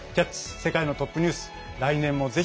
世界のトップニュース」